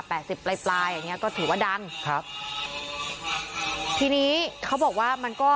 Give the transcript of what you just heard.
สิบปลายปลายอย่างเงี้ก็ถือว่าดังครับทีนี้เขาบอกว่ามันก็